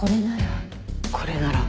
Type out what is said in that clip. これなら。